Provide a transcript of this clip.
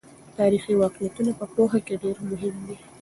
تاریخي واقعیتونه په پوهه کې ډېر مهم دي.